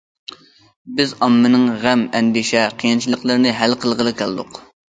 بىز ئاممىنىڭ غەم- ئەندىشە، قىيىنچىلىقلىرىنى ھەل قىلغىلى كەلدۇق.